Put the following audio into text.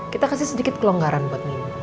kita kasih sedikit kelonggaran buat nih